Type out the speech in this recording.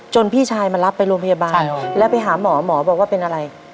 พี่ชายมารับไปโรงพยาบาลแล้วไปหาหมอหมอบอกว่าเป็นอะไร